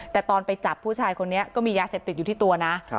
แต่ตอนไปจับผู้ชายคนนี้ก็มียาเสพติดอยู่ที่ตัวนะ